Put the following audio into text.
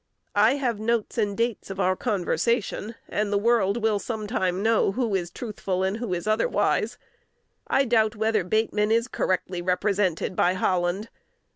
I have notes and dates of our conversation; and the world will sometime know who is truthful, and who is otherwise. I doubt whether Bateman is correctly represented by Holland.